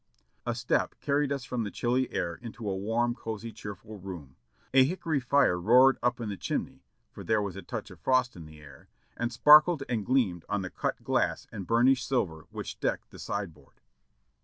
A step carried us from the chilly air into a warm, cosy, cheer ful room; a hickory fire roared up the chimney, for there was a touch of frost in the air, and sparkled and gleamed on the cut glass and burnished silver which decked the sideboard.